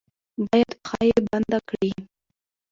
با ید پښه یې بنده کړي.